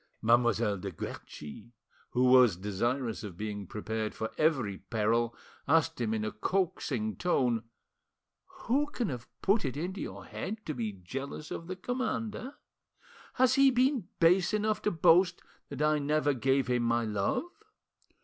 Mademoiselle de Guerchi, who was desirous of being prepared for every peril, asked him in a coaxing tone— "Who can have put it into your head to be jealous of the commander? Has he been base enough to boast that I ever gave him my love?"